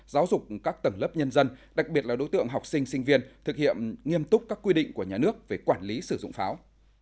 giáo dục các tầng lớp nhân dân đặc biệt là đối tượng học sinh sinh viên thực hiện nghiêm túc các quy định của nhà nước về quản lý sử dụng pháo